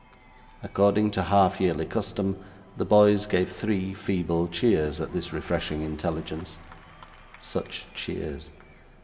According to half yearly custom, the boys gave three feeble cheers at this refreshing intelligence. Such cheers!